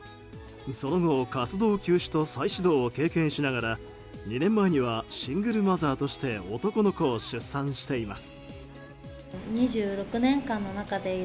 その後、活動休止と再始動を経験しながら２年前にはシングルマザーとして男の子を出産しています。